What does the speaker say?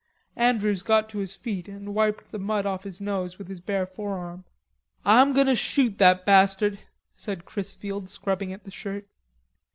Andrews got to his feet and wiped the mud off his nose with his bare forearm. "Ah'm goin' to shoot that bastard," said Chrisfield, scrubbing at the shirt.